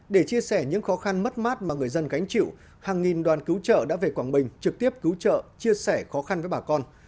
để chia sẻ những khó khăn mất mát mà người dân gánh chịu hàng nghìn đoàn cứu trợ đã về quảng bình trực tiếp cứu trợ chia sẻ khó khăn với bà con